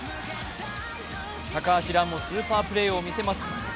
高橋藍もスーパープレーをみせます。